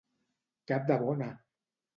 Cap de bona!